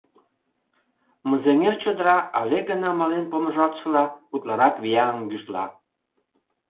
Мызеҥер чодыра, але гына мален помыжалтшыла, утларак вияҥын гӱжла.